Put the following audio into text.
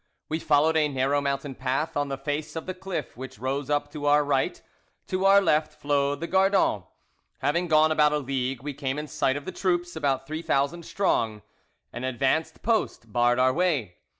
We followed a narrow mountain path on the face of the cliff which rose up to our right; to our left flowed the Gardon. "Having gone about a league, we came in sight of the troops, about 3000 strong; an advanced post barred our way.